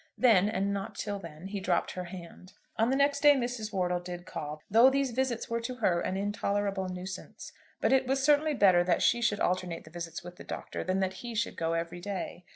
Then, and not till then, he dropped her hand. On the next day Mrs. Wortle did call, though these visits were to her an intolerable nuisance. But it was certainly better that she should alternate the visits with the Doctor than that he should go every day.